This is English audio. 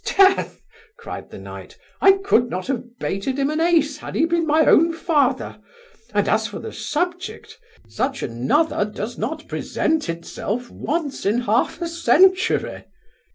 ''Sdeath! (cried the knight) I could not have bated him an ace had he been my own father; and as for the subject, such another does not present itself once in half a century.